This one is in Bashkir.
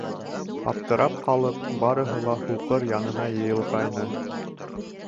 Аптырап ҡалып, барыһы ла һуҡыр янына йыйылғайны.